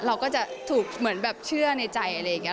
เราก็จะถูกเหมือนแบบเชื่อในใจอะไรอย่างนี้